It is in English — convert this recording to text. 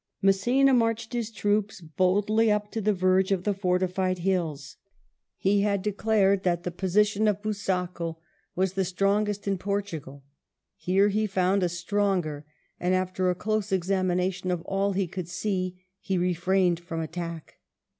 Mass^na marched his troops boldly up to the verge of the fortified hills. He had declared that the position of Busaco was the strongest in Portugal; here he found a stronger, and, after a close examination of all he could see, he refrained from attack.